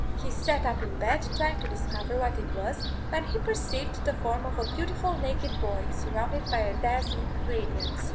He sat up in bed, trying to discover what it was, when he perceived the form of a beautiful naked boy, surrounded by a dazzling radiance.